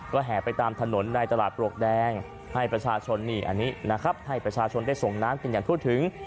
ก็แห่ไปตามถนนในตลาดปลวกแดงให้ประชาชนได้ส่งน้ำกันอย่างทั่วถึง